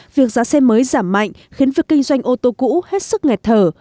việc giá xe mới giảm mạnh khiến việc kinh doanh ô tô cũ hết sức nghẹt thở